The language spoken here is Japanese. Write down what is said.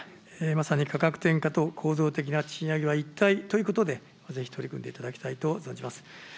まさに価格転嫁と構造的な賃上げは一体ということで、ぜひ取り組んでいただきたいと存じます。